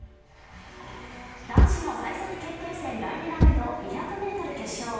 男子の最速決定戦、第２ラウンド２００ｍ決勝。